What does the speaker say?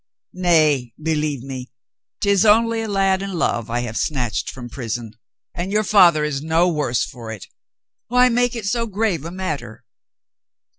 Nay, believe me. 'Tis only a lad in love I have snatched from prison, and your father is no worse for it. Why make it so grave a matter?"